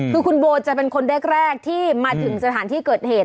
คือคุณโบจะเป็นคนแรกที่มาถึงสถานที่เกิดเหตุ